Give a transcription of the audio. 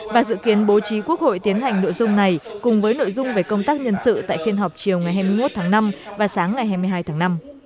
và dự kiến bố trí quốc hội tiến hành nội dung này cùng với nội dung về công tác nhân sự tại phiên họp chiều ngày hai mươi một tháng năm và sáng ngày hai mươi hai tháng năm